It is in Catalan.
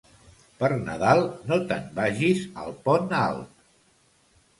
Per Nadal, no te'n vagis al Pont Alt.